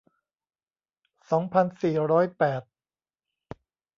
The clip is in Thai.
สองพันสี่ร้อยแปด